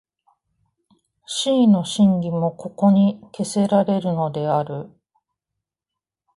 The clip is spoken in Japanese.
思惟の真偽もここに決せられるのである。